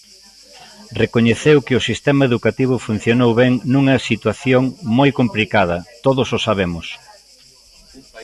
Recoñeceu que o sistema educativo funcionou ben nunha situación moi complicada; todos o sabemos.